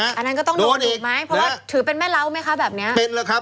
อันนั้นก็ต้องโดนถูกไหมเพราะว่าถือเป็นแม่เล้าไหมคะแบบเนี้ยเป็นแล้วครับ